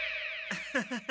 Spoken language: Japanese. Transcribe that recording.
アハハハハ。